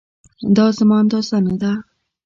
دا زما اندازه نه ده